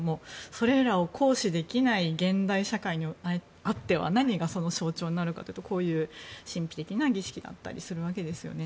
それらを行使できない現代社会にあっては何がその象徴になるかというとこういう神秘的な儀式だったりするわけですよね。